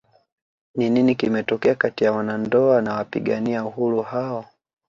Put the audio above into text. Ni nini kimetokea kati ya wanandoa na wapigania uhuru hao